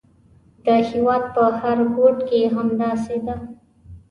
د هېواد په هر ګوټ کې همداسې ده.